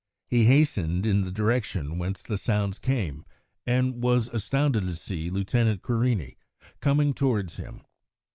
He hastened in the direction whence the sounds came, and was astounded to see Lieutenant Querini coming towards him.